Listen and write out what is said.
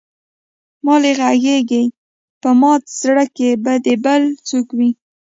مالې غږېږې به ماته زړه کې به دې بل څوک وي.